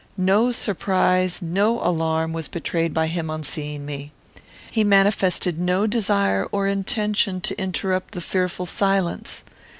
No surprise, no alarm, was betrayed by him on seeing me. He manifested no desire or intention to interrupt the fearful silence.